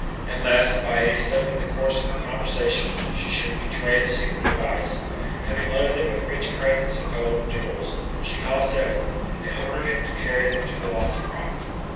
And lest, by any slip in the course of her conversation, she should betray the secret advice, having loaded them with rich presents of gold and jewels, she called Zephyr, and ordered him to carry them to the lofty rock.